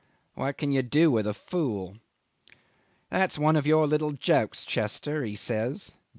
... What can you do with a fool? ... 'That's one of your little jokes, Chester,' he says.